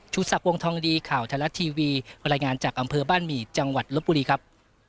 ชุดศัพท์วงทองดีข่าวทลัททีวีรายงานจากอำเภอบ้านหมี่จังหวัดลบบุรีครับ